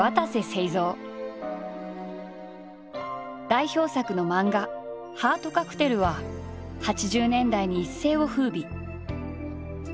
代表作の漫画「ハートカクテル」は８０年代に一世を風靡。